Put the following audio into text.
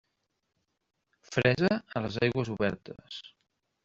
Fresa a les aigües obertes.